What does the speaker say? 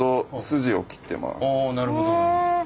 なるほど。